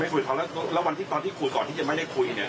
คุยเขาแล้ววันที่ตอนที่คุยก่อนที่จะไม่ได้คุยเนี่ย